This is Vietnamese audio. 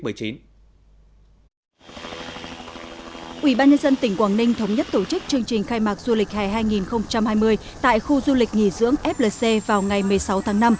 ủy ban nhân dân tỉnh quảng ninh thống nhất tổ chức chương trình khai mạc du lịch hè hai nghìn hai mươi tại khu du lịch nghỉ dưỡng flc vào ngày một mươi sáu tháng năm